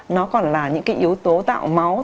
nó còn là những yếu tố tạo máu